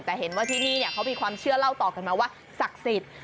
แต่เห็นว่าที่นี่เขามีความเชื่อเล่าต่อกันมาว่าศักดิ์สิทธิ์